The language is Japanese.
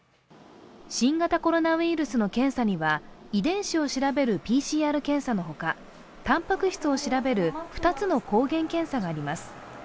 新型コロナウイルスの検査には、遺伝子を調べるＰＣＲ検査のほか、たんぱく質を調べる２つの抗原検査があります。